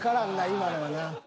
今のはな。